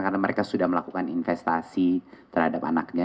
karena mereka sudah melakukan investasi terhadap anaknya